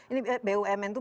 ini bumn itu